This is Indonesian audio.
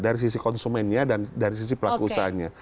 dari sisi konsumennya dan dari sisi pelaku usahanya